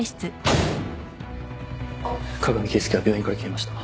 加賀美圭介が病院から消えました。